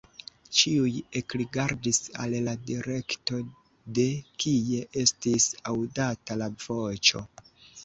Ĉiuj ekrigardis al la direkto, de kie estis aŭdata la voĉo.